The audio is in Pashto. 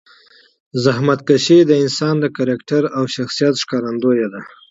زحمتکشي د انسان د کرکټر او شخصیت ښکارندویه ده.